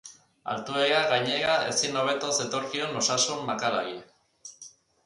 Altuera, gainera, ezin hobeto zetorkion osasun makalari.